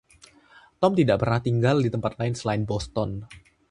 Tom tidak pernah tinggal di tempat lain selain Boston.